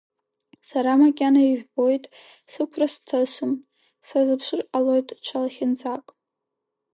Сара макьана, ижәбоит, сықәра сҭысым, сазыԥшыр ҟалоит ҽа лахьынҵак.